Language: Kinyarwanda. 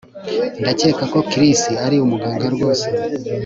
Ndakeka ko Chris ari umuganga rwose